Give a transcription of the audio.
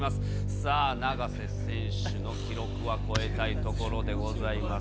さあ、永瀬選手の記録は超えたいところでございます。